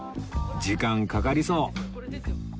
時間かかりそう